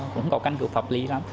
cũng có căn cứ pháp lý lắm